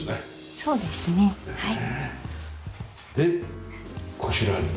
そうですねはい。